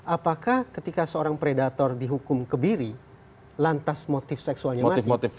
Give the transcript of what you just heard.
apakah ketika seorang predator dihukum kebiri lantas motif seksualnya mati